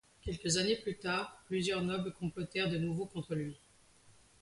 Quelques années plus tard, plusieurs nobles complotèrent de nouveau contre lui.